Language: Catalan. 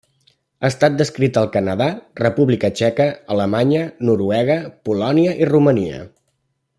Ha estat descrita al Canadà, República Txeca, Alemanya, Noruega, Polònia i Romania.